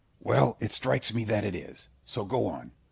Well, it strikes me that it is. So go on.